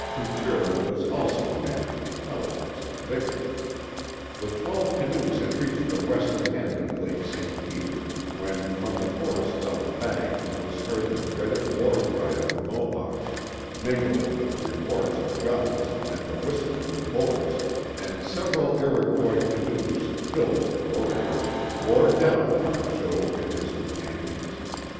Cout ure was also a man of intelligence and vigor. 42 The Mohawk Valley The twelve canoes had reached the western end of Lake St. Peter, when from the forests on the bank was heard the dreaded war cry of the Mohawks, mingled with the reports of guns and the whistling of bullets, and several Iroquois canoes, filled with warriors, bore down upon Jogues and his com panions.